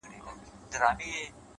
زه ستا په ځان كي يم ماته پيدا كړه _